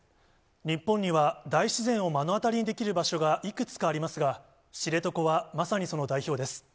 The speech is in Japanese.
日本には大自然を目の当たりにできる場所がいくつかありますが、知床はまさにその代表です。